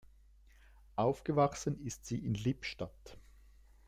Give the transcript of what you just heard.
Aufgewachsen ist sie in Lippstadt.